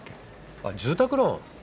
あっ住宅ローン？